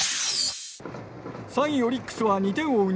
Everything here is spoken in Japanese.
３位オリックスは２点を追う